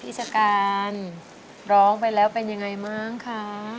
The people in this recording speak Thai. ชการร้องไปแล้วเป็นยังไงมั้งคะ